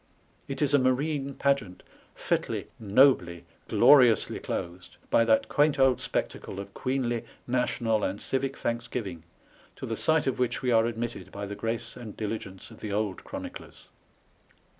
It is a marine pageant fitly, nobly, gloriously closed by that quaint old spectacle of queenly, national, and civic thanksgiving, to the sight of which we are admitted by the grace and diligence of the old chroniclers.